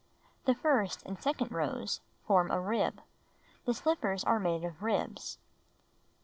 (The first and second rows form a "rib." The slippers are made of "ribs.")